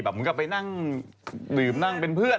แบบมึงก็ไปนั่งดื่มนั่งเป็นเพื่อน